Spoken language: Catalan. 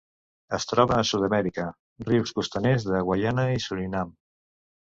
Es troba a Sud-amèrica: rius costaners de Guaiana i Surinam.